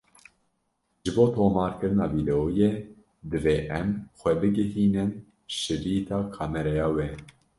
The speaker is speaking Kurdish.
Ji bo tomarkirina vîdeoyê divê em xwe bigihînin şirîta kameraya we.